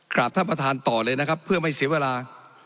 ท่านประธานต่อเลยนะครับเพื่อไม่เสียเวลา